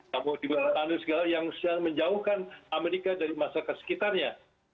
tembok di barat andes segala yang menjauhkan amerika dari masyarakat sekitarnya